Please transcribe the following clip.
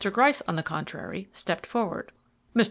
Gryce on the contrary stepped forward. "Mr.